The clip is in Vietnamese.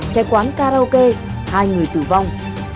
cháy quán karaoke hai người tử vong